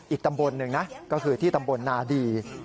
อีกตำบลหนึ่งนะก็คือที่ตำบลนาดี